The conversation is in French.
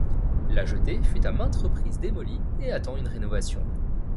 La jetée fut à maintes reprises démolie et attend une rénovation.